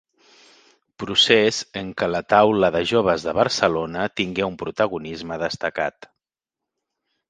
Procés en què la Taula de Joves de Barcelona tingué un protagonisme destacat.